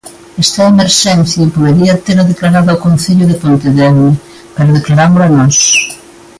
Esta emerxencia podería tela declarada o Concello de Pontedeume, pero declarámola nós.